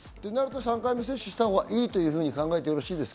３回目接種したほうがいいと考えてよろしいですか？